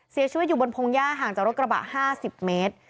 เสียชีวิตอยู่บนพงหญ้าห่างจากรถกระบะ๕๐เมตร